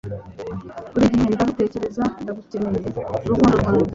buri gihe ndagutekereza, ndagukeneye urukundo rwanjye